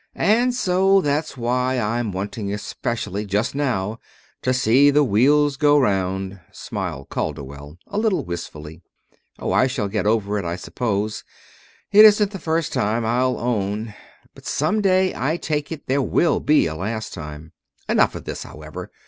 "And so that's why I'm wanting especially just now to see the wheels go 'round," smiled Calderwell, a little wistfully. "Oh, I shall get over it, I suppose. It isn't the first time, I'll own but some day I take it there will be a last time. Enough of this, however!